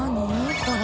これ。